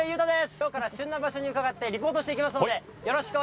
今日から旬な場所に伺ってリポートしてきます。